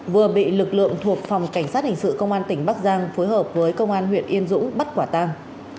vừa bị lực lượng thuộc phòng cảnh sát hình sự công an tỉnh bắc giang phối hợp với công an huyện yên dũng bắt quả tang